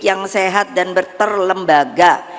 yang sehat dan berterlembaga